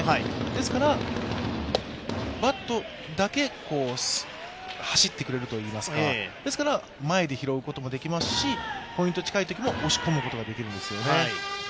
ですから、バットだけ走ってくれるといいますか、ですから前で拾うこともできますし、ポイント近いときも押し込むことができるんですよね。